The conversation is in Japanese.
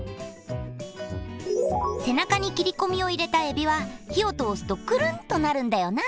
せなかにきりこみをいれたえびは火をとおすとくるんとなるんだよな。